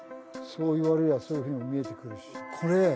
そう言われりゃそういうふうに見えてくるしこれ